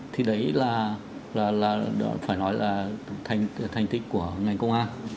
thì đấy là phải nói là thành tích của ngành công an